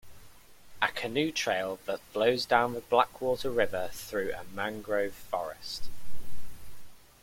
A canoe trail that flows down the Blackwater River through a mangrove forest.